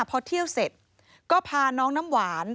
พอเที่ยวเสร็จก็พาน้องน้ำหวาน